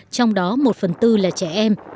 trong đó một phần tư là trẻ em